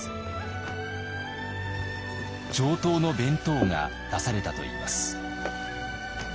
上等の弁当が出されたといいます。